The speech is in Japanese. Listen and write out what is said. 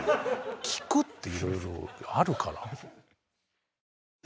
聞くっていろいろあるから。